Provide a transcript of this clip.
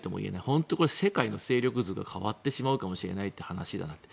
本当これ、世界の勢力図が変わってしまうかもしれないという話だなと。